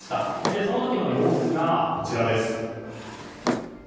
その時の様子がこちら。